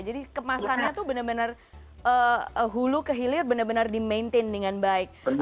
jadi kemasannya tuh benar benar hulu kehilir benar benar di maintain dengan baik